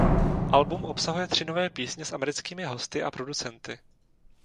Album obsahuje tři nové písně s americkými hosty a producenty.